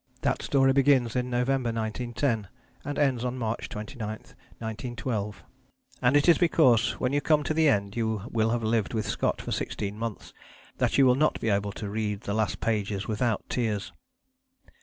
That story begins in November 1910, and ends on March 29, 1912, and it is because when you come to the end, you will have lived with Scott for sixteen months, that you will not be able to read the last pages without tears.